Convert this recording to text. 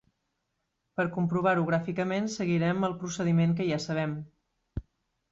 Per comprovar-ho gràficament seguirem el procediment que ja sabem.